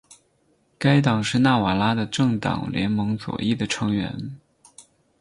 该党是纳瓦拉的政党联盟左翼的成员。